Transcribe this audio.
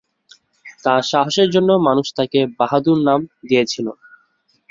তাঁর সাহসের জন্য মানুষ তাঁকে "বাহাদুর" নাম দিয়েছিল।